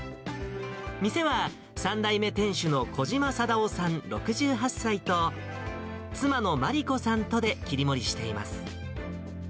店は、３代目店主の小島貞夫さん６８歳と、妻のまり子さんとで切り盛りしています。